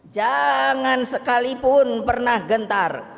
jangan sekalipun pernah gentar